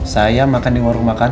saya makan di warung makan